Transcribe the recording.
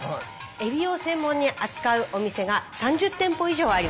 エビを専門に扱うお店が３０店舗以上あります。